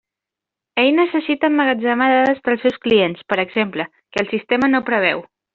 Ell necessita emmagatzemar dades dels seus clients, per exemple, que el sistema no preveu.